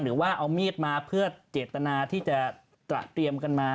หรือว่าเอามีดมาเพื่อเจตนาที่จะตระเตรียมกันมา